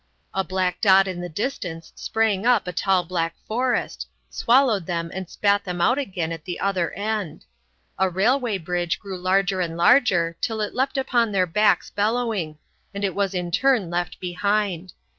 A black dot in the distance sprang up a tall black forest, swallowed them and spat them out again at the other end. A railway bridge grew larger and larger till it leapt upon their backs bellowing, and was in its turn left behind.